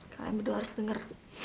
kalian berdua harus denger